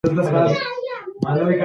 زما ګناه څه شي ده؟